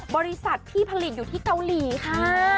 บริษัทที่ผลิตอยู่ที่เกาหลีค่ะ